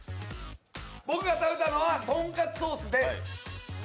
僕が食べたのはとんかつソースです。